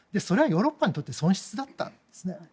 それはヨーロッパにとって損失だったんですね。